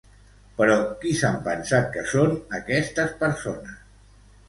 Però qui s'han pensat que són aquestes persones?